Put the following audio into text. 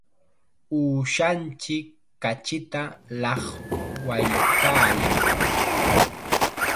Uushanchik kachita llaqwaykaayan.